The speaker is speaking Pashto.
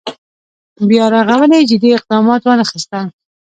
بیا رغونې جدي اقدامات وانخېستل.